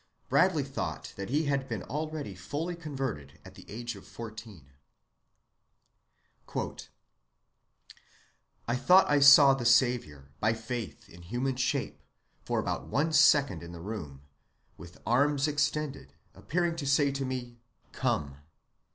Bradley thought that he had been already fully converted at the age of fourteen. "I thought I saw the Saviour, by faith, in human shape, for about one second in the room, with arms extended, appearing to say to me, Come.